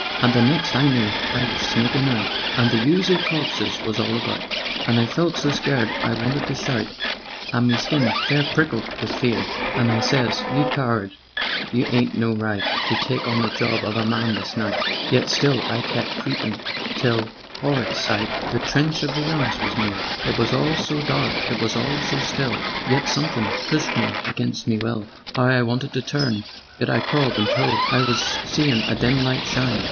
"And the next I knew I was sneakin' out, And the oozy corpses was all about, And I felt so scared I wanted to shout, And me skin fair prickled wiv fear; And I sez: 'You coward! You 'ad no right To take on the job of a man this night,' Yet still I kept creepin' till ('orrid sight!) The trench of the 'Uns was near. "It was all so dark, it was all so still; Yet somethin' pushed me against me will; 'Ow I wanted to turn! Yet I crawled until I was seein' a dim light shine.